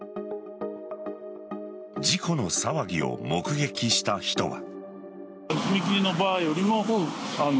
事故の騒ぎを目撃した人は。